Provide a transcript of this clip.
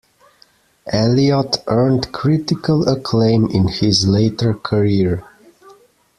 Elliott earned critical acclaim in his later career.